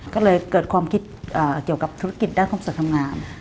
ก็เลยเกิดความคิดเกี่ยวกับธุรกิจด้านคอนเสิร์ตทำงาน